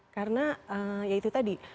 karena ya itu tadi